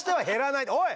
おい！